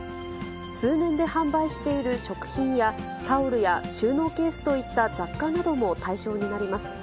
通年で販売している食品や、タオルや収納ケースといった雑貨なども対象になります。